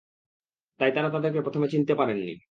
তাই তাঁরা তাঁদেরকে প্রথমে চিনতে পারেননি।